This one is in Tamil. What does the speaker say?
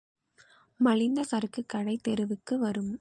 மலிந்த சரக்கு கடைத் தெருவுக்கு வரும்.